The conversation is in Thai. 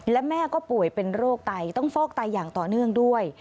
และแม่ก็ป่วยเป็นโรคไตต้องฟอกไตอย่างต่อเนื่องด้วย